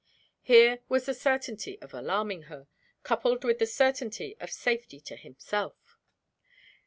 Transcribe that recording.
Here was the certainty of alarming her, coupled with the certainty of safety to himself!